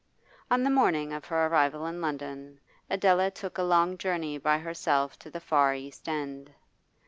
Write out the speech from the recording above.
On the morning after her arrival in London Adela took a long journey by herself to the far East End.